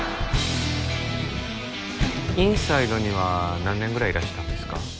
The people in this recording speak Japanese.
ｉｎｓｉｄｅには何年ぐらいいらしたんですか？